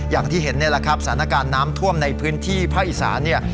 อย่างที่เห็นเนี้ยคับสถานการณ์น้ำท่วมในพื้นที่พระอิสาเนี่ย